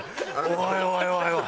おいおいおいおい！